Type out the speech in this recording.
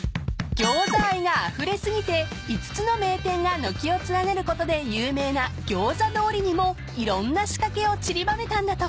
［ギョーザ愛があふれ過ぎて５つの名店が軒を連ねることで有名な餃子通りにもいろんな仕掛けをちりばめたんだとか］